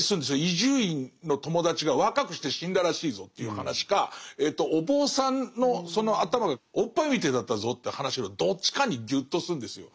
伊集院の友達が若くして死んだらしいぞっていう話かお坊さんのその頭がおっぱいみてえだったぞって話のどっちかにギュッとするんですよ。